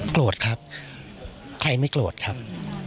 โกรธครับใครไม่โกรธครับ